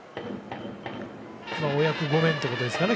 お役御免ということですかね。